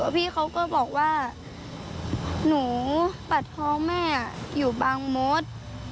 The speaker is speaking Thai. พี่เขาก็บอกว่าหนูปัดท้องแม่อยู่บางมด